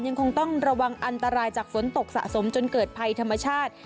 ยังคงต้องระวังอันตรายจากฝนตกสะสมจนเกิดภัยธรรมชาติ